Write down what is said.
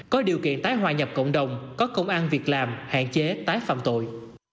có điều kiện tái hòa nhập cộng đồng có công an việc làm hạn chế tái phạm tội